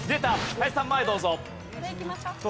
林さん前へどうぞ。